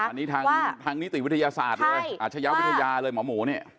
อันนี้ทางนิติวิทยาศาสตร์เลยอาชญาวิทยาเลยหมอหมูเนี่ย